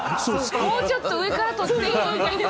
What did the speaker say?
もうちょっと上からとってよみたいな。